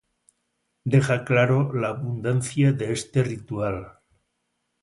Deja claro la abundancia de este ritual.